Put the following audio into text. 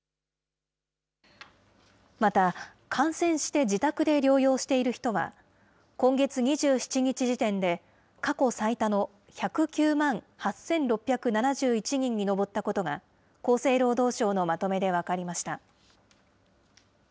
また、感染して自宅で療養している人は、今月２７日時点で過去最多の１０９万８６７１人に上ったことが、厚生労働省のまとめで分かりました。